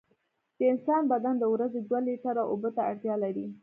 د انسان بدن د ورځې دوه لېټره اوبو ته اړتیا لري.